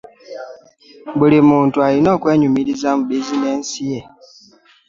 buli muntu alina okwenyumiriza mu bizineesi ye.